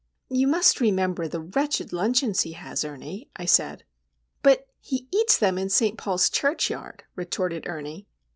"You must remember the wretched luncheons he has, Ernie," I said. "But he eats them in St. Paul's churchyard," retorted Ernie.